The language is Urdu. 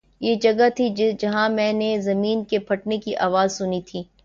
”یہ جگہ تھی، جہاں میں نے زمین کے پھٹنے کی آواز سنی تھی